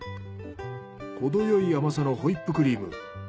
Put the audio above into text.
ほどよい甘さのホイップクリーム。